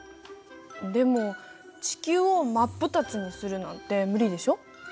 でも地球を真っ二つにするなんて無理でしょ？